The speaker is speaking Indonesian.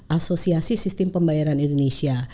asosiasi sistem pembayaran indonesia